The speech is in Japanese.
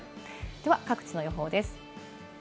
各地の予報です。